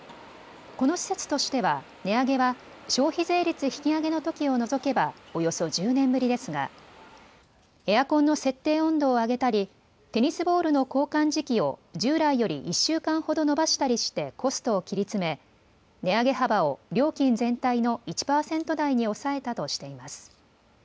この施設としては値上げは消費税率引き上げのときを除けばおよそ１０年ぶりですがエアコンの設定温度を上げたりテニスボールの交換時期を従来より１週間ほど延ばしたりしてコストを切り詰め値上げ幅を料金全体の１％台に抑えたとしています。